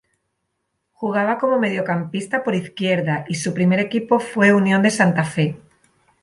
Jugaba como mediocampista por izquierda y su primer equipo fue Unión de Santa Fe.